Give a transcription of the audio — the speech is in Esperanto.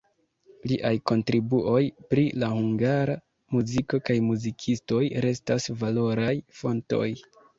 Liaj kontribuoj pri la hungara muziko kaj muzikistoj restas valoraj fontoj.